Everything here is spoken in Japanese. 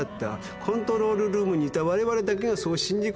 コントロールルームにいた我々だけがそう信じ込んでいた。